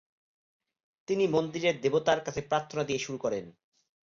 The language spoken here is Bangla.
তিনি মন্দিরের দেবতার কাছে প্রার্থনা দিয়ে শুরু করেন।